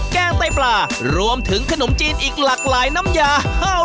แกงไต้ปลารวมถึงขนมจีนอีกหลากหลายน้ำยา